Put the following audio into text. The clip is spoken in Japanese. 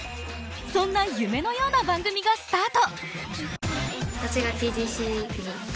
そんな夢のような番組がスタート。